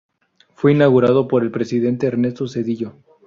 Fue inaugurada por el presidente Ernesto Zedillo.